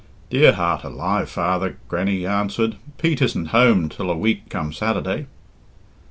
"Dear heart alive, father!" Grannie answered, "Pete isn't home till a week come Saturday."